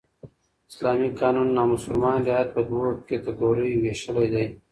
اسلامي قانون نامسلمان رعیت په دوو کېټه ګوریو ویشلى دئ.